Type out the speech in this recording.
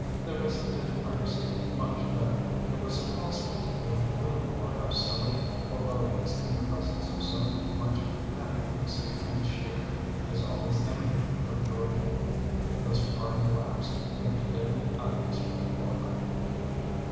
Their visit did Ernestine much good. It was impossible to feel blue or have silly forebodings in the presence of so much naturalness and cheer as always emanated from Georgia. Those hearty laughs had cleared the atmosphere for her.